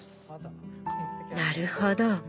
なるほど。